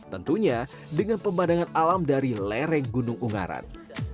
tentunya dengan pemandangan alam dari lereng gunung ungaran